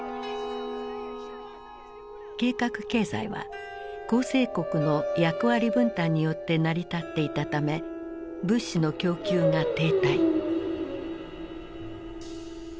計画経済は構成国の役割分担によって成り立っていたため物資の供給が停滞。